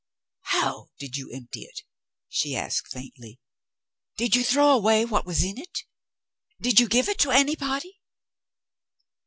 "How did you empty it?" she asked faintly. "Did you throw away what was in it? Did you give it to anybody?"